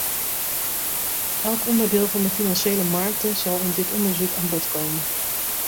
Elk onderdeel van de financiële markten zal in dit onderzoek aan bod komen.